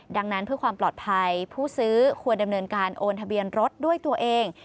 ดังนั้นเพื่อความปลอดภัยผู้ซื้อควรดำเนินการโอนทะเบียนรถด้วยตัวเอง